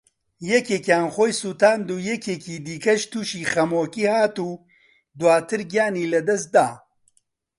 یەکێکیان خۆی سوتاند و یەکێکی دیکەش تووشی خەمۆکی هات و دواتر گیانی لەدەستدا